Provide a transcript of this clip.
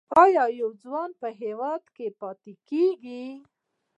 آیا ځوانان په هیواد کې پاتې کیږي؟